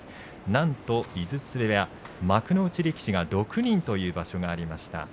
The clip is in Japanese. なんと井筒部屋、幕内力士が６人という場所がありました。